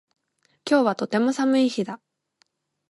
今日はとても寒い日だ